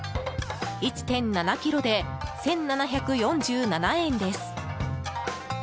１．７ｋｇで１７４７円です。